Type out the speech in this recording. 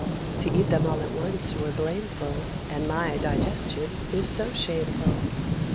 To eat them all at once were blameful, And my digestion is so shameful."